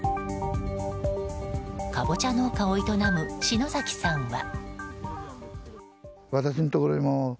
カボチャ農家を営む篠崎さんは。